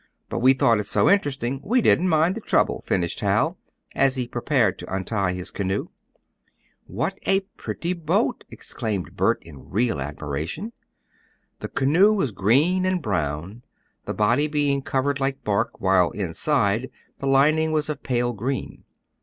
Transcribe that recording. But we thought it so interesting, we didn't mind the trouble," finished Hal, as he prepared to untie his canoe. "What a pretty boat!" exclaimed Bert, in real admiration. The canoe was green and brown, the body being colored like bark, while inside, the lining was of pale green.